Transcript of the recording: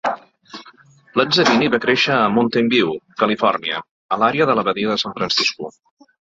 Lazzarini va créixer a Mountain View, Califòrnia, a l'àrea de la badia de San Francisco.